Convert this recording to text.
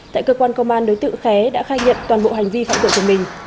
tại cơ quan công an đối tượng khé đã khai nhận toàn bộ hành vi phản tượng của mình